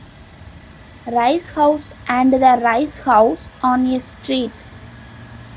Rice House and the Rice House on "A" Street.